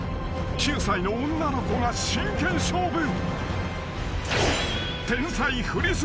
［９歳の女の子が真剣勝負］